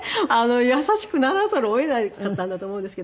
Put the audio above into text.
優しくならざるを得なかったんだと思うんですけど。